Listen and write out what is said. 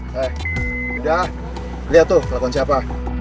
hei udah liat tuh pelakon siapa